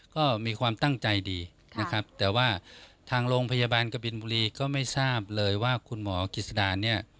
ก็มีความตั้งใจดีนะครับแต่ว่าทางโรงพยาบาลกบินบุรีก็ไม่ทราบเลยว่าคุณหมอกิจสดาเนี่ย